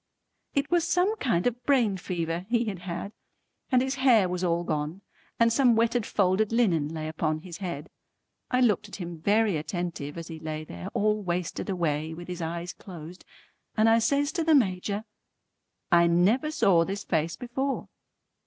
It was some kind of brain fever he had had, and his hair was all gone, and some wetted folded linen lay upon his head. I looked at him very attentive as he lay there all wasted away with his eyes closed, and I says to the Major "I never saw this face before."